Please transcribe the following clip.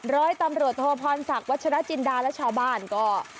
ร้อยตำรวจโทพรศักดิ์วัชรจินดาและชาวบ้านก็